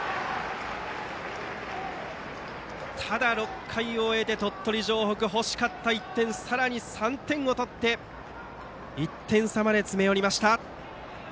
ただ、６回を終えて鳥取城北、欲しかった１点さらに３点を取って１点差まで詰め寄りました。